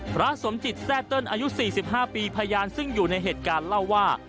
พระสมจิตแทร่เติ้ลอายุ๔๕ปีพยานซึ่งอยู่ในเหตุการณ์เล่าว่า